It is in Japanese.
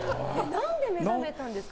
何で目覚めたんですか？